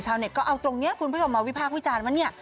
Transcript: เน็ตก็เอาตรงนี้คุณผู้ชมมาวิพากษ์วิจารณ์ว่าเนี่ย